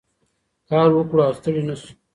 کار وکړو او ستړي نه شو.